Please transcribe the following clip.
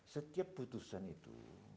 setiap putusan itu